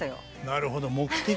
なるほど。